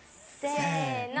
せの！